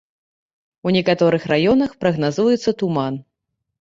У некаторых раёнах прагназуецца туман.